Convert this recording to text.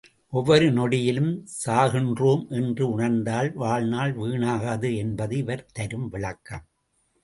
ஒவ்வொரு நொடியிலும் சாகின்றோம் என்று உணர்ந்தால் வாழ்நாள் வீணாகாது என்பது இவர் தரும் விளக்கம்.